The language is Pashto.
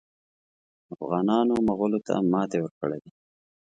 افغانانو مغولو ته ماته ورکړې ده.